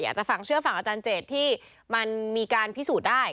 อาจจะฝั่งเชื่อฝั่งอาจารย์เจตที่มันมีการพิสูจน์ได้